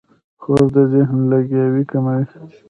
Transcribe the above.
خوب د ذهن لګیاوي کموي